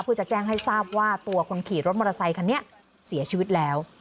เพื่อจะแจ้งให้ทราบว่าตัวคนขี่รถมอเตอร์ไซคันนี้เสียชีวิตแล้ว